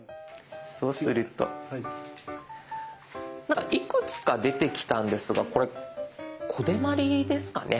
そうするといくつか出てきたんですがこれコデマリですかね。